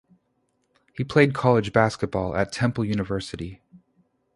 He played college basketball at Temple University.